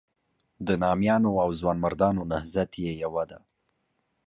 د نامیانو او ځوانمردانو نهضت یې یوه ده.